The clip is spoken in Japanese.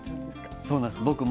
そうなんです。